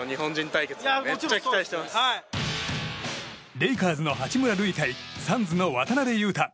レイカーズの八村塁対サンズの渡邊雄太。